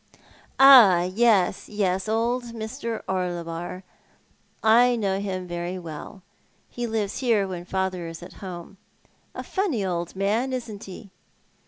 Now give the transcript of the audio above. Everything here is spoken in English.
" Yes, yes, old Mr. Orlebar. I know him very well. He lives hero when father is at home. A funny old man, isn't he?